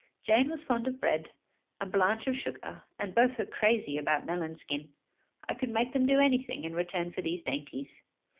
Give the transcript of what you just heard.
Jane was fond of bread, and Blanche of sugar, and both were crazy about melon skin. I could make them do anything in return for these dainties.